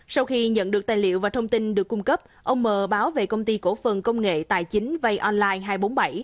sau khi nhận được tài liệu và thông tin được cung cấp ông m báo về công ty cổ phần công nghệ tài chính vay online hai trăm bốn mươi bảy